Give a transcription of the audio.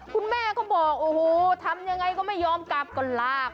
คุณแม่ก็บอกโอ้โหทำยังไงก็ไม่ยอมกลับก็ลาก